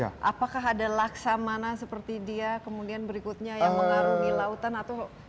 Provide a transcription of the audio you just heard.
apakah ada laksamana seperti dia kemudian berikutnya yang mengarungi lautan atau